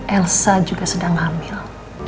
elsa juga sedang hamil